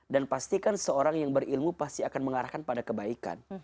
dan pastikan seorang yang berilmu pasti akan mengarahkan pada kebaikan